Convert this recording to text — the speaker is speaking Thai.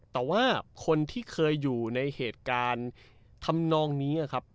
แต่ว่าคนที่เคยอยู่ในเหตุการณ์ทำนองนี้ครับ